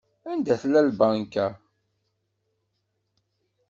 Anda tella tbanka?